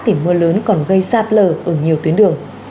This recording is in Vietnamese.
thì mưa lớn còn gây sạt lở ở nhiều tuyến đường